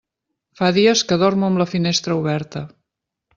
Fa dies que dormo amb la finestra oberta.